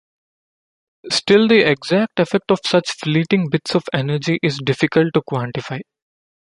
Still, the exact effect of such fleeting bits of energy is difficult to quantify.